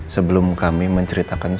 sebelum kami menceritakan